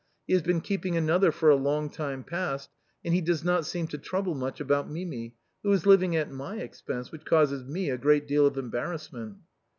He has been keeping another for a long time past, and he does not seem to trouble much about Mimi, who is living at my expense, which causes me a great deal of em barrassment."